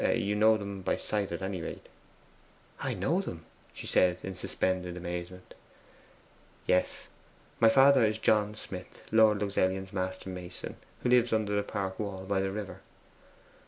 You know them by sight at any rate.' 'I know them!' she said in suspended amazement. 'Yes. My father is John Smith, Lord Luxellian's master mason, who lives under the park wall by the river.